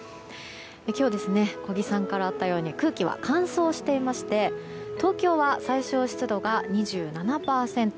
今日、小木さんからあったように空気は乾燥していまして東京は最小湿度が２７％。